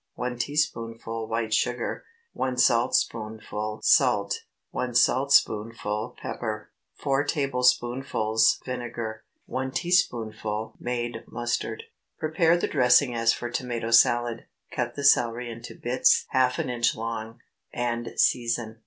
1 teaspoonful white sugar. 1 saltspoonful salt. 1 saltspoonful pepper. 4 tablespoonfuls vinegar. 1 teaspoonful made mustard. Prepare the dressing as for tomato salad; cut the celery into bits half an inch long, and season.